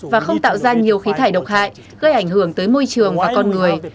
và không tạo ra nhiều khí thải độc hại gây ảnh hưởng tới môi trường và con người